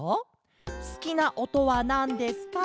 「すきなおとはなんですか？」